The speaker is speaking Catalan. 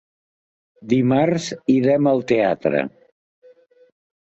Dimarts irem al teatre.